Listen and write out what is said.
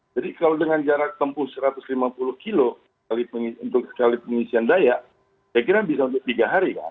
jadi kalau dengan jarak tempuh satu ratus lima puluh kilo untuk sekali pengisian daya saya kira bisa untuk tiga hari kan